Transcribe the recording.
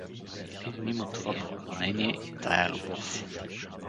Пирин има това поклонение и тая любов.